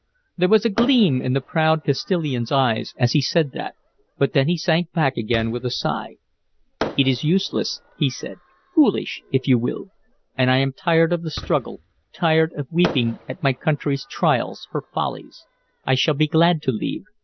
There was a gleam in the proud Castilian's eyes as he said that; but then he sank back with a sigh. "It is useless," he said, "foolish, if you will. And I am tired of the struggle, tired of weeping at my country's trials, her follies. I shall be glad to leave.